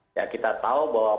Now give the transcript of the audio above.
ya kita tahu bahwa